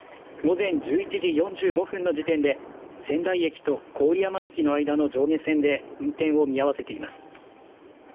午前１１時４５分の時点で仙台駅と郡山駅の間の上下線で運転を見合わせています。